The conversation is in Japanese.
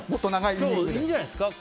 今日、いいんじゃないですか